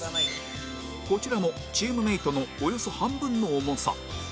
こちらもチームメイトのおよそ半分の重さ